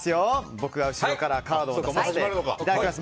僕が後ろからカードを出させていただきます。